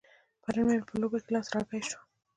پرون مې په لوبه کې لاس رګی شو.